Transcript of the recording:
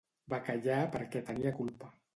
Va callar perquè tenia culpa.